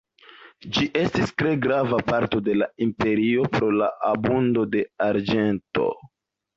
Ĝi estis tre grava parto de la imperio pro la abundo de arĝento.